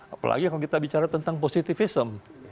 apalagi kalau kita bicara tentang positivism